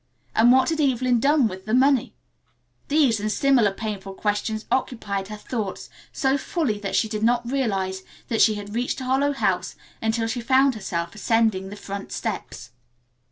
And what had Evelyn done with the money? These and similar painful questions occupied her thoughts so fully that she did not realize that she had reached Harlowe House until she found herself ascending the front steps.